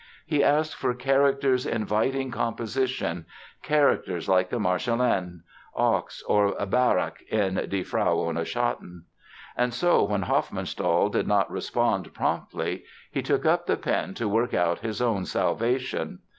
He asked for "characters inviting composition—characters like the Marschallin, Ochs or Barak (in Die Frau ohne Schatten)." And so, when Hofmannsthal did not "respond" promptly he took up the pen to work out his own salvation.